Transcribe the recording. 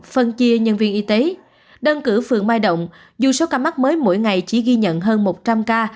phân chia nhân viên y tế đơn cử phường mai động dù số ca mắc mới mỗi ngày chỉ ghi nhận hơn một trăm linh ca